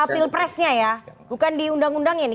pilpresnya ya bukan di undang undangnya nih